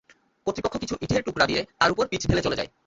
কর্তৃপক্ষ কিছু ইটের টুকরা দিয়ে তার ওপর পিচ ঢেলে চলে যায়।